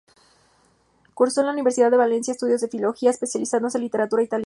Cursó en la Universidad de Valencia estudios de filología, especializándose en literatura italiana.